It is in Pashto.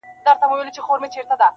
o پوليس کار پای ته رسوي او ورو ورو وځي,